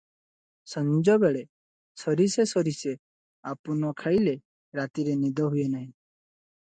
ସଞ୍ଜବେଳେ ସୋରିଷେ ସୋରିଷେ ଆପୁ ନ ଖାଇଲେ ରାତିରେ ନିଦ ହୁଏ ନାହିଁ ।